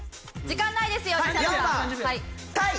時間ないですよ！